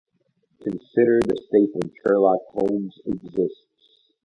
Consider the statement Sherlock Holmes exists.